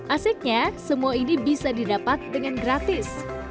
asiknya semua ini bisa didapat dengan gratis